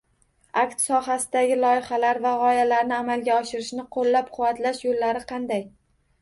Akt sohasidagi loyihalar va g’oyalarni amalga oshirishni ko’llab-quvvatlash yo’llari qanday?